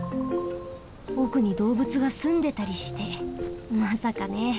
おくにどうぶつがすんでたりしてまさかね。